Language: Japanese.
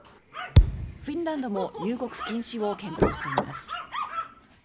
フィンランドも入国禁止を検討しています。